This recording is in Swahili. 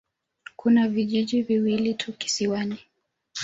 Kuna vijiji viwili tu kisiwani.